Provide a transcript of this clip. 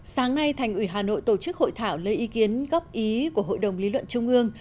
sáng nay thành ủy hà nội tổ chức hội thảo lấy ý kiến góp ý của hội đồng lý luận trung ương